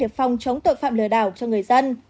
phòng chống tội phạm lừa đảo cho người dân